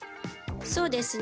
そうですね。